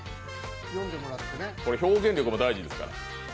表現力も大事ですから。